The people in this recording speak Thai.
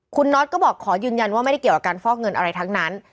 คุณน็อตก็บอกขอยืนยันว่าไม่ได้เกี่ยวกับการฟอกเงินอะไรทั้งนั้น